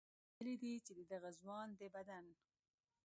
ویلي دي چې د دغه ځوان د بدن